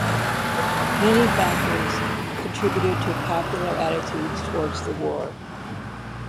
Many factors contributed to popular attitudes towards the war.